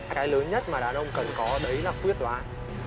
cái lớn nhất mà đàn ông cần có đấy là quyết đoán